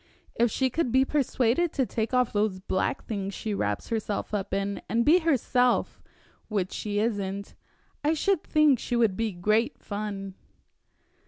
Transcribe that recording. If she could be persuaded to take off those black things she wraps herself up in, and be herself which she isn't I should think she would be great fun."